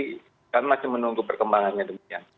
kami masih menunggu perkembangannya demikian